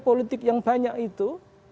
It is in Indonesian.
politik yang banyak itu